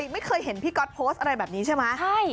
ไม่เคยเห็นพี่ก๊อตโพสต์อะไรแบบนี้ใช่ไหม